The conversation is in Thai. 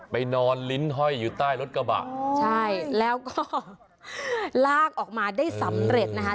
นอนลิ้นห้อยอยู่ใต้รถกระบะใช่แล้วก็ลากออกมาได้สำเร็จนะคะ